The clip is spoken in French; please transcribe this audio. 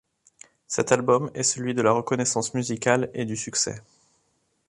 Cet album est celui de la reconnaissance musicale et du succès.